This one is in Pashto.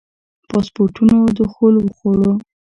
پاسپورټونو دخول وخوړه.